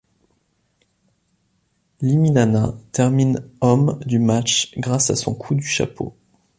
Liminana termine homme du match grâce à son coup du chapeau.